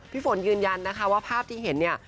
ฝนยืนยันนะคะว่าภาพที่เห็นเนี่ย